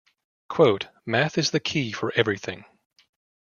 Quote: "Math is the key for everything".